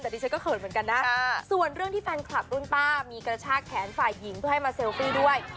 แต่ดิฉันก็เขินเหมือนกันนะส่วนเรื่องที่แฟนคลับรุ่นป้ามีกระชากแขนฝ่ายหญิงเพื่อให้มาเซลฟี่ด้วย